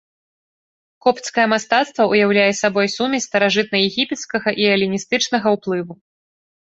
Копцкае мастацтва ўяўляе сабой сумесь старажытнаегіпецкага і эліністычнага ўплыву.